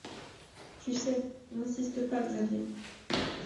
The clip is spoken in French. Tu sais. N’insiste pas, Xavier.